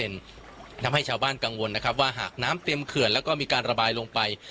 ทำให้ชาวบ้านกังวลนะครับว่าหากน้ำเต็มเขื่อนแล้วก็มีการระบายลงไป